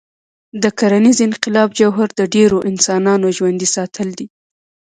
د کرنيز انقلاب جوهر د ډېرو انسانانو ژوندي ساتل دي.